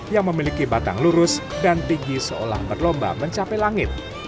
yang memiliki batang lurus dan tinggi seolah berlomba mencapai langit